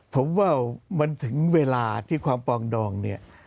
ผมว่ามันถึงเวลาที่ความปองดองเนี่ย